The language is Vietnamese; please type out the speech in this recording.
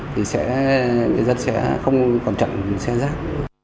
thì người dân sẽ không còn chặn xe rác